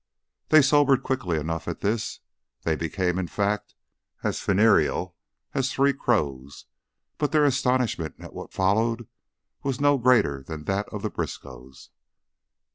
They sobered quickly enough at this; they became, in fact, as funereal as three crows; but their astonishment at what followed was no greater than that of the Briskows.